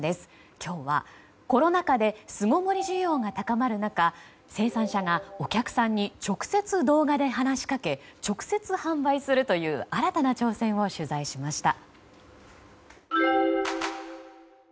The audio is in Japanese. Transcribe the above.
今日はコロナ禍で巣ごもり需要が高まる中生産者がお客さんに直接動画で話しかけ直接販売するという新たな挑戦を取材しました。